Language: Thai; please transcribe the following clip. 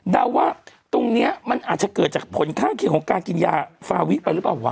แด๋วว่าตรงเนี้ยมันอาจจะเกิดจากผลฆ่าเขียวกับการกินยาฟาวิทไปหรือเปลือวะ